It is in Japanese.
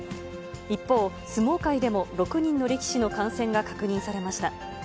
一方、相撲界でも６人の力士の感染が確認されました。